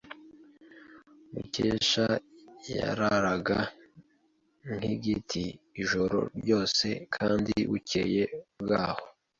Mukesha yararaga nk'igiti ijoro ryose kandi bukeye bwaho.